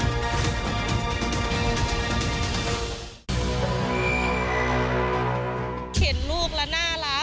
มควิทยาลัยเชียร์สวัสดีครับ